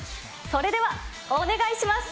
それではお願いします。